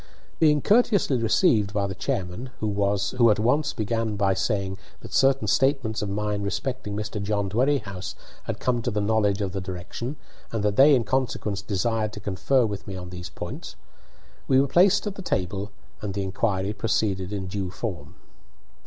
Being courteously received by the chairman (who at once began by saying that certain statements of mine respecting Mr. John Dwerrihouse had come to the knowledge of the direction, and that they in consequence desired to confer with me on those points), we were placed at the table and the inquiry proceeded in due form.